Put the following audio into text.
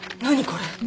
これ。